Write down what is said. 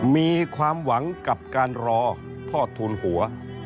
มีความหวังกับการรอพ่อทูลหัว